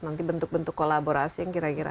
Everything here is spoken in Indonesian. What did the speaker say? nanti bentuk bentuk kolaborasi yang kira kira